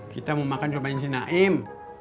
kita mau makan sama si naim